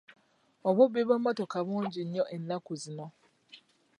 Obubbi bw'emmotoka bungi nnyo ennaku zino